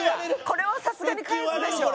これはさすがに返すでしょ。